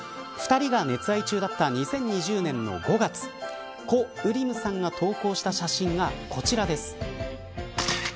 ２人が熱愛中だった２０２０年の５月コ・ウリムさんが投稿した写真がこちらです。